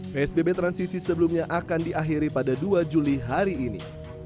psbb transisi sebelumnya akan diakhiri pada dua juli hari ini